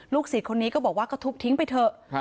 ศิษย์คนนี้ก็บอกว่าก็ทุบทิ้งไปเถอะ